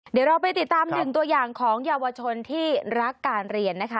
เดี๋ยวเราไปติดตามหนึ่งตัวอย่างของเยาวชนที่รักการเรียนนะคะ